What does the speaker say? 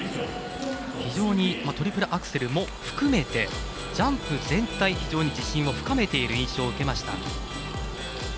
非常にトリプルアクセルも含めてジャンプ全体、非常に自信を深めている印象を受けました。